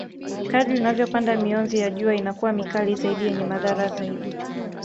Kadri unavyopanda mionzi ya jua inakuwa mikali zaidi yenye madhara zaidi